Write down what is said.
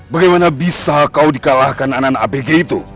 bagaimana bisa kau dikalahkan anak anak apg itu